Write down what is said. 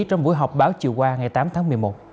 trong buổi họp báo chiều qua ngày tám tháng một mươi một